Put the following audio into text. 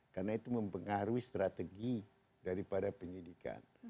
karena itu mempengaruhi strategi daripada penyelidikan